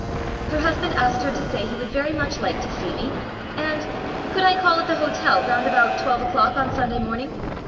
... Her husband asked her to say he would very much like to see me. And. . .could I call at the hotel round about twelve o'clock on Sunday morning?